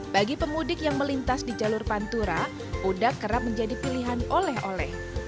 bagi pemudik yang melintas di jalur pantura uda kerap menjadi pilihan oleh oleh